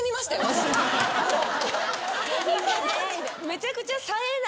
めちゃくちゃ。